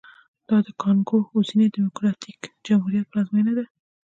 دا د کانګو اوسني ډیموکراټیک جمهوریت پلازمېنه ده